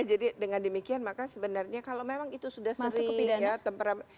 jadi dengan demikian maka sebenarnya kalau memang itu sudah sering